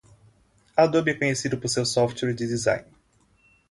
Adobe é conhecida por seu software de design.